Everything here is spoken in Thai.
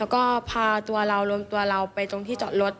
แล้วก็พาตัวเรารวมตัวเราไปตรงที่จอดรถ